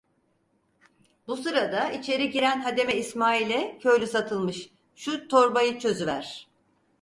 Bu sırada içeri giren hademe İsmail'e köylü Satılmış: "Şu torbayı çözüver!"